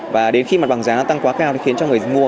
và đến khi mặt bằng giá tăng quá cao thì khiến cho người mua